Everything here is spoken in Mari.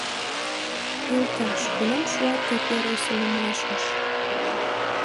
«Йолташ, кунам шуат тый первый сеҥымашыш...»